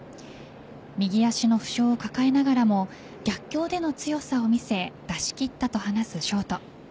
右足の負傷を抱えながらも逆境での強さを見せ出し切ったと話すショート。